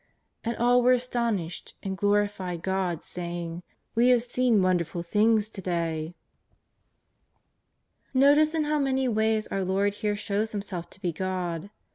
And all were astonished and glorified God saying: " We have seen wonderful things to day." JESUS OF jJTAZARETH. 183 ITotice In how many ways our Lord here shows Him self to be God.